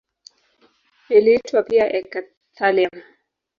Iliitwa pia eka-thallium.